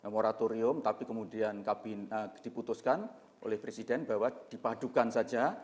moratorium tapi kemudian diputuskan oleh presiden bahwa dipadukan saja